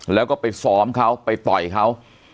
แล้วก็ไปซ้อมเขาไปต่อยเขา